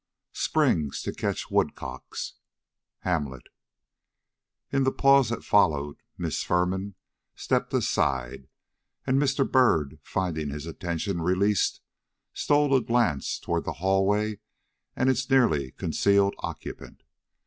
Springs to catch woodcocks. HAMLET. IN the pause that followed, Miss Firman stepped aside, and Mr. Byrd, finding his attention released, stole a glance toward the hall way and its nearly concealed occupant.